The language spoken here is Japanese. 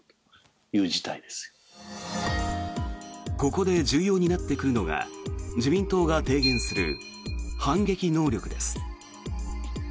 ここで重要になってくるのが自民党が提言する反撃能力です。